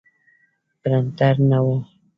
پرنټر نه و.